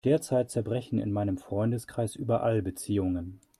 Derzeit zerbrechen in meinem Freundeskreis überall Beziehungen.